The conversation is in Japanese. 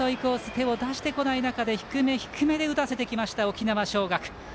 手を出してこない中で低め、低めで打たせてきました沖縄尚学。